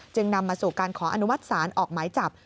นำมาสู่การขออนุมัติศาลออกหมายจับ